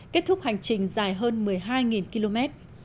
kết thúc hành trình dài hơn một mươi hai km